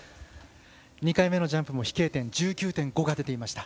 ２回目のジャンプも飛型点１９．５が出ていました。